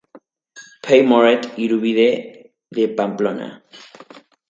P. Moret-Irubide de Pamplona.